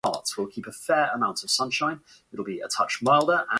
This was accepted by the league.